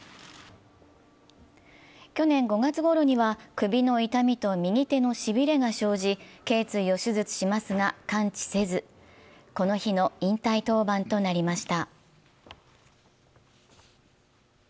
去年５月ごろには首の痛みと右手のしびれが生じけい椎を手術しますが、完治せず、この日の引退登板となりました。